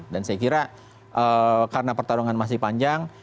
dan saya kira karena pertarungan masih panjang